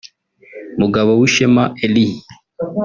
Mugabowishema Elie